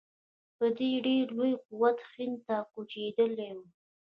په ډېر لوی قوت هند ته کوچېدلي وي.